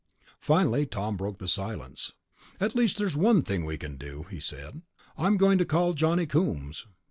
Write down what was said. Finally Tom broke the silence. "At least there's one thing we can do," he said. "I'm going to call Johnny Coombs."